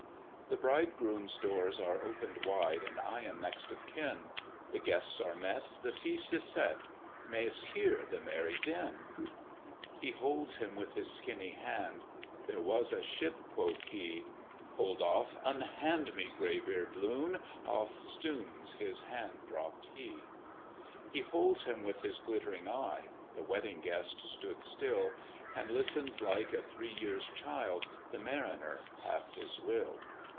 "The Bridegroom's doors are opened wide, And I am next of kin; The guests are met, the feast is set: May'st hear the merry din." He holds him with his skinny hand, "There was a ship," quoth he. "Hold off! unhand me, grey beard loon!" Eftsoons his hand dropt he. He holds him with his glittering eye The Wedding Guest stood still, And listens like a three years child: The Mariner hath his will.